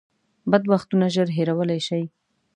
بد وختونه ژر هېرولی شئ .